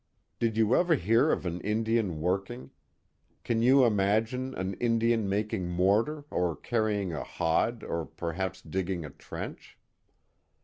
' Did you ever* hear' of an Indian working ? Can yoii im i^rie an Indian maJdiig mdrtar or Carrying a hod or peiiiapa digging a trench